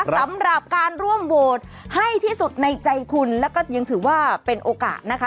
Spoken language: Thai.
สำหรับการร่วมโหวตให้ที่สุดในใจคุณแล้วก็ยังถือว่าเป็นโอกาสนะคะ